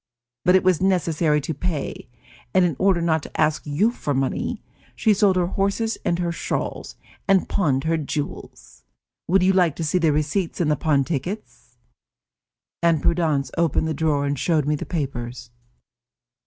But it was necessary to pay, and in order not to ask you for money, she sold her horses and her shawls, and pawned her jewels. Would you like to see the receipts and the pawn tickets?" And Prudence opened the drawer and showed me the papers.